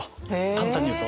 簡単に言うと。